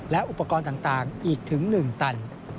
และอุปกรณ์ต่างอีกถึง๑ตัน